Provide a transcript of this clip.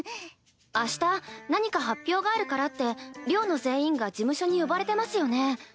明日何か発表があるからって寮の全員が事務所に呼ばれてますよね？